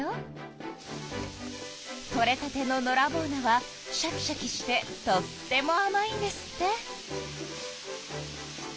取れたてののらぼう菜はシャキシャキしてとってもあまいんですって。